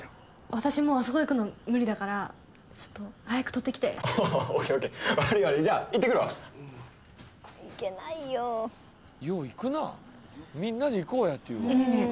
私もうあそこ行くの無理だからちょっと早く取ってきておおＯＫＯＫ悪い悪いじゃあ行ってくるわ行けないよよう行くなみんなで行こうやって言うわねえねえ